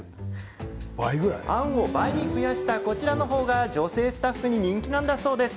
あんを倍に増やしたこちらの方が女性スタッフに人気なんだそうです。